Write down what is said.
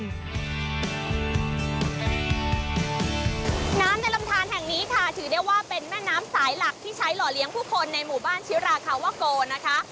น้ำในลำทานแห่งนี้ค่ะถือได้ว่าเป็นแม่น้ำสายหลักที่ใช้หล่อเลี้ยงผู้คนในหมู่บ้านชิราคาวโกนะคะ